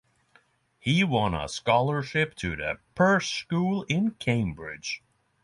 He won a scholarship to The Perse School in Cambridge.